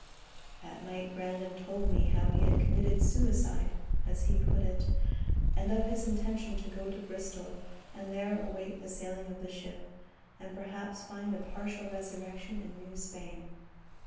That same night Brandon told me how he had committed suicide, as he put it, and of his intention to go to Bristol and there await the sailing of the ship, and perhaps find a partial resurrection in New Spain.